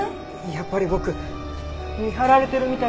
やっぱり僕見張られてるみたいで。